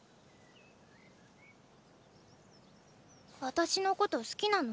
私のこと好きなの？